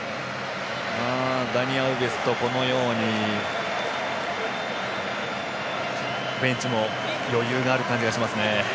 ダニ・アウベスとこのようにベンチも余裕がある感じがします。